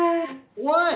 おい！